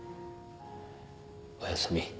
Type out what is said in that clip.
おやすみ。